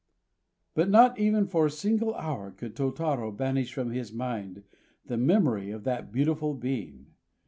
But not even for a single hour could Tôtarô banish from his mind the memory of that beautiful being.